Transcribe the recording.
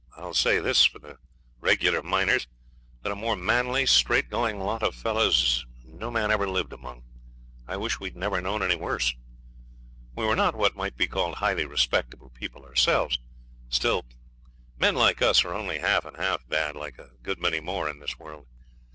I will say this for the regular miners, that a more manly, straightgoing lot of fellows no man ever lived among. I wish we'd never known any worse. We were not what might be called highly respectable people ourselves still, men like us are only half and half bad, like a good many more in this world.